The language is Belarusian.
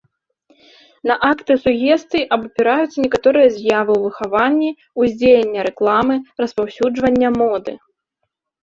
На акты сугестыі абапіраюцца некаторыя з'явы ў выхаванні, ўздзеяння рэкламы, распаўсюджвання моды.